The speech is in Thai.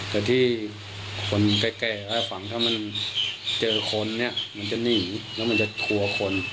แต่ที่คนใกล้ฝั่งถ้ามันเจอคนเนี่ยมันจะนิ่งแล้วมันจะทัวร์คน